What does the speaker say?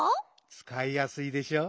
つかいやすいでしょ？